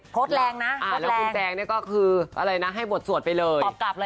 โพสต์แรงนะโพสต์แรงแล้วคุณแจงก็คืออะไรนะให้บวดสวดไปเลย